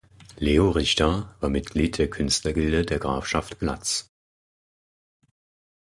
Leo Richter war Mitglied der „Künstlergilde der Grafschaft Glatz“.